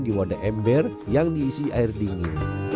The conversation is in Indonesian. di wadah ember yang diisi air dingin